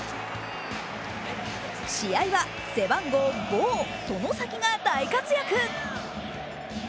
試合は背番号ゴー・外崎が大活躍。